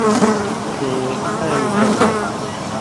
کھیں کھانگیۡ کم ہوتھی۔